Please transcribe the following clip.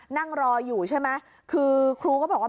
นั่งรออยู่ใช่ไหมคือครูก็บอกว่า